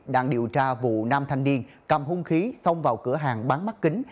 đang điều tra vụ nam thanh niên cầm hung khí xông vào cửa hàng bán mắt kính